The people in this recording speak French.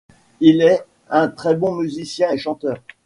Il est un très bon musicien et chanteur.